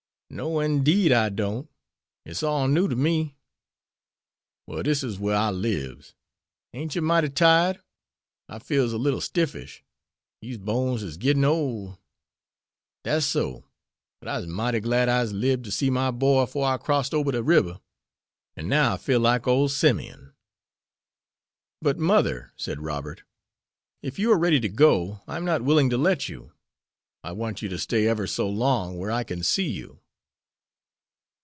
"No'n 'deed I don't. It's all new ter me." "Well, dis is whar I libs. Ain't you mighty tired? I feels a little stiffish. Dese bones is gittin' ole." "Dat's so! But I'se mighty glad I'se lib'd to see my boy 'fore I crossed ober de riber. An' now I feel like ole Simeon." "But, mother," said Robert, "if you are ready to go, I am not willing to let you. I want you to stay ever so long where I can see you."